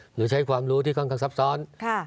หรือใช้ความรู้ที่ค่อนข้างซับซ้อน